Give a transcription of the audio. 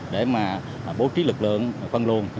để bố trí lực lượng phân luồng